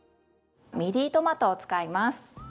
ミディトマトを使います。